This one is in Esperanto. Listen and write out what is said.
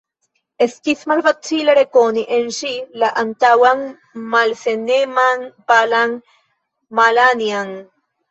Estis malfacile rekoni en ŝi la antaŭan malsaneman, palan Malanja'n.